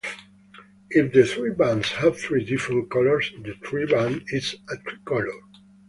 If the three bands have three different colors, the triband is a tricolour.